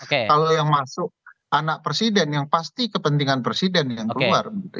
kalau yang masuk anak presiden yang pasti kepentingan presiden yang keluar